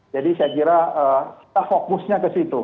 jadi saya kira kita fokusnya ke situ